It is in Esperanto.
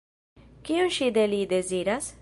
Kion ŝi de li deziras?